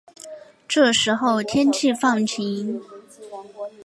这时候天气放晴